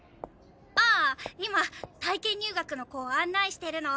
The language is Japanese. ああ今体験入学の子を案内してるの。